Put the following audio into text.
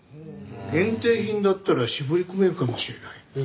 限定品だったら絞り込めるかもしれない。